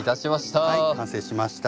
はい完成しました。